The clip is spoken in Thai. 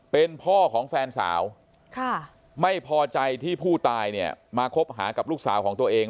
เป็นพ่อของแฟนสาวไม่พอใจที่ผู้ตายเนี่ยมาคบหากับลูกสาวของตัวเอง